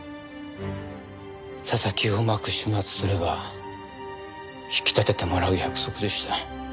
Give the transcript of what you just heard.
佐々木をうまく始末すれば引き立ててもらう約束でした。